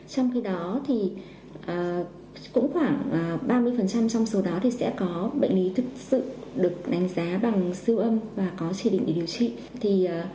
trong khi đó khoảng ba mươi trong số đó sẽ có bệnh lý thực sự được đánh giá bằng sưu âm và có chế định để điều trị